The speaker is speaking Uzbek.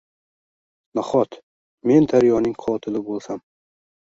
Nahot, men daryoning qotili bo’lsam?